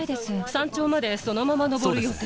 山頂まで、そのまま登る予定？